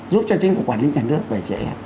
giúp cho chính phủ quản lý nhà nước